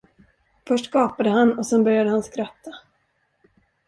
Först gapade han och sedan började han skratta.